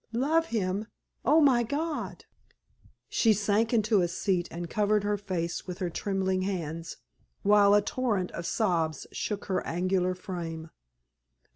"Love him! Oh, my God!" She sank into a seat and covered her face with her trembling hands, while a torrent of sobs shook her angular frame.